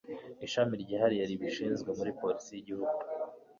ishami ryihariye ribishinzwe muri polisi y'igihugu